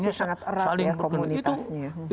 itu sangat erat ya komunitasnya